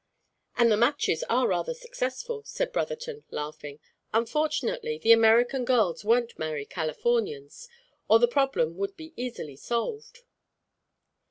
"And the matches are rather successful," said Brotherton, laughing. "Unfortunately, the American girls won't marry Californians, or the problem would be easily solved."